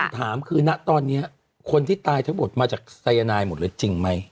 ถามคือณตอนนี้คนที่ตายทั้งหมดมาจากสายนายหมดเลยจริงไหม